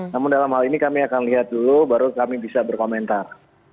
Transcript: namun dalam hal ini kami akan lihat dulu baru kami bisa berkomentar